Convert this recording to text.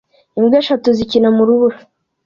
Imbwa eshatu zikina mu rubura